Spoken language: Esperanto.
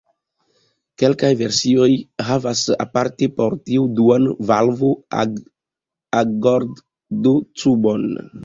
Kelkaj versioj havas aparte por tio duan valvo-agordotubon.